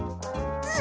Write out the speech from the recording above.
うん？